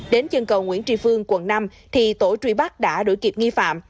đến chân cầu nguyễn tri phương quận năm tổ truy bác đã đổi kịp nghi phạm